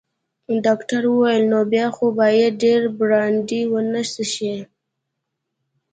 ډاکټر وویل: نو بیا خو باید ډیر برانډي ونه څښې.